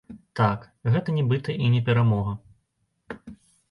Так, гэта нібыта і не перамога.